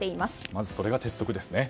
まずそれが鉄則ですね。